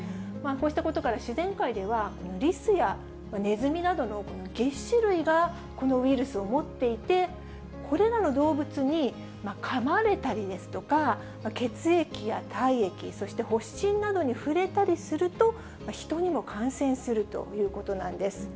こうしたことから、自然界ではリスやネズミなどのげっ歯類がこのウイルスを持っていて、これらの動物にかまれたりですとか、血液や体液、そして発疹などに触れたりすると、ヒトにも感染するということなんです。